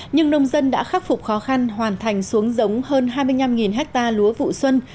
nhưng nông dân đã khắc phục khó khăn hoàn thành xuống giống hơn hai mươi năm ha lúa vụ xuân